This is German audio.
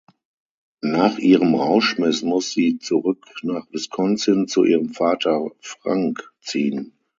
Nach ihrem Rausschmiss muss sie zurück nach Wisconsin zu ihrem Vater Frank ziehen.